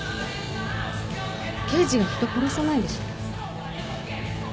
刑事が人殺さないでしょ。